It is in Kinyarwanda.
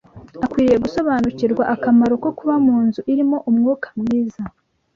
Akwiriye gusobanukirwa akamaro ko kuba mu nzu irimo umwuka mwiza